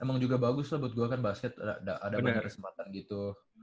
emang juga bagus lah buat gue kan basket ada banyak kesempatan gitu